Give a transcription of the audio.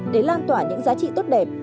để lan tỏa những giá trị tốt đẹp